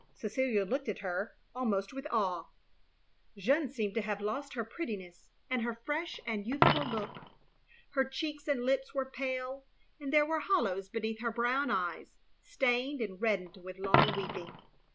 Cecilia looked at her almost with awe. Jeanne 312 THE LONELY LADY seemed to have lost her prettiness, and her fresh and youthful look. Her cheeks and lips were pale, and there were hollows beneath her brown eyes, stained and reddened with long weeping.